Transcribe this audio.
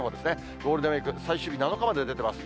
ゴールデンウィーク最終日７日まで出てます。